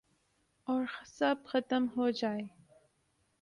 اور سب ختم ہوجائے